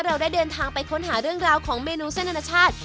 เราได้เดินทางไปค้นหาเรื่องราวของเมนูเส้นอนาชาติ